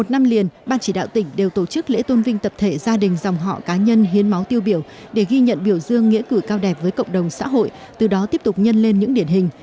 một năm liền ban chỉ đạo tỉnh đều tổ chức lễ tôn vinh tập thể gia đình dòng họ cá nhân hiến máu tiêu biểu để ghi nhận biểu dương nghĩa cử cao đẹp với cộng đồng xã hội từ đó tiếp tục nhân lên những điển hình